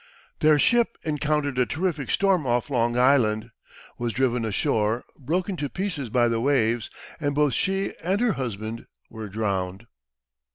Their ship encountered a terrific storm off Long Island, was driven ashore, broken to pieces by the waves, and both she and her husband were drowned.